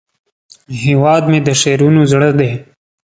هیواد مې د شعرونو زړه دی